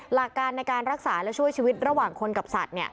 หลักการในการรักษาและช่วยชีวิตระหว่างคนกับสัตว์